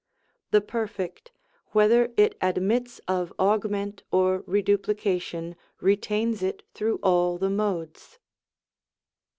The Perfect, whether it admits of Augment or Re duplication, retains it through all the Modes.